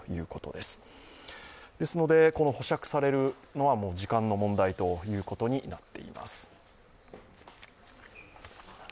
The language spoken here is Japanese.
ですのでこの保釈されるのは、もう時間の問題ということになっています。